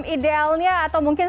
idealnya atau mungkin